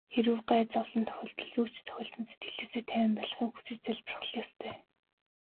Хэрэв гай зовлон тохиолдвол юу ч тохиолдсон сэтгэлээ тайван байлгахыг л хүсэж залбирах ёстой.